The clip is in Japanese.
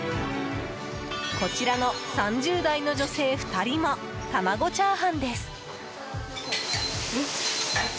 こちらの３０代の女性２人も玉子チャーハンです。